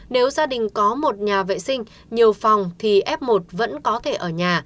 nếu gia đình có một nhà vệ sinh nhiều phòng thì f một vẫn có thể ở nhà